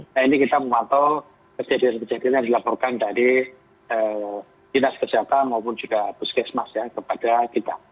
nah ini kita memantau kejadian kejadian yang dilaporkan dari dinas kesehatan maupun juga puskesmas ya kepada kita